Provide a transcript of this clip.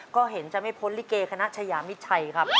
ก็เห็นจะไม่พ้นลิเกคณะชายามิดชัยครับ